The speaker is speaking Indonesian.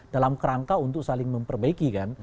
dalam kerangka untuk saling memperbaiki kan